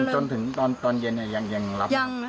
จนถึงตอนเย็นยังรับ